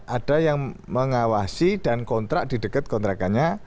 ada yang mengawasi dan kontrak di dekat kontrakannya